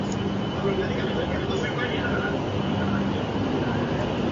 El año que se celebró en San Asensio ganó Angel Gómez.